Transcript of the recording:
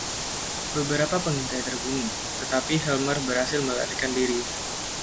Beberapa pengintai terbunuh, tetapi Helmer berhasil melarikan diri.